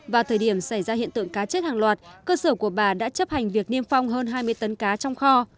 vào thời điểm xảy ra hiện tượng cá chết hàng loạt cơ sở của bà đã chấp hành việc niêm phong hơn hai mươi tấn cá trong kho